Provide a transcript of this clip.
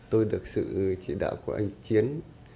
tôi được sự chỉ đạo của anh chiến